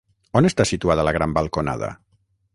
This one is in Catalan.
On està situada la gran balconada?